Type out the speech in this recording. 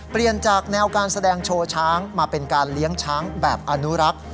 เปลี่ยนจากแนวการแสดงโชว์ช้างมาเป็นการเลี้ยงช้างแบบอนุรักษ์